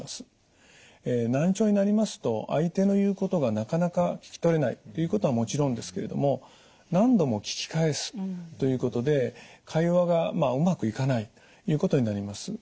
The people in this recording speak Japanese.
難聴になりますと相手の言うことがなかなか聞き取れないということはもちろんですけれども何度も聞き返すということで会話がうまくいかないということになります。